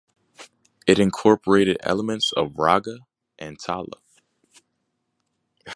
It incorporated elements of "raga" and "tala".